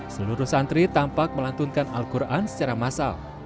seluruh santri tampak melantunkan al quran secara massal